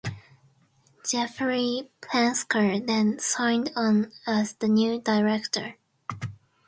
Jeffery Plansker then signed on as the new director.